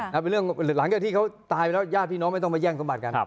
หลังจากที่เขาตายแล้วย่าพี่น้องไม่ต้องมาแย่งสมบัติกัน